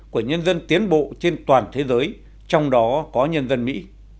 của nhân dân tiến bộ trên toàn thế giới trong đó có nhân dân mỹ